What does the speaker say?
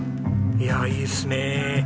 いやいいっすね。